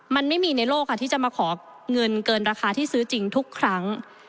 มันไม่มีในโลกค่ะที่จะมาขอเงินเกินราคาที่ซื้อจริงทุกครั้ง